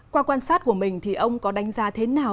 qua quan sát của mình thì ông có đánh giá thế nào